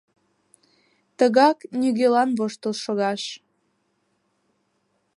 Тыгак нигӧлан воштыл шогаш...